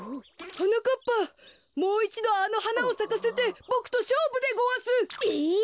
はなかっぱもういちどあのはなをさかせてボクとしょうぶでごわす。え！？